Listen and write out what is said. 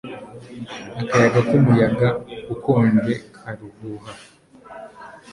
Akayaga kumuyaga ukonje karahuha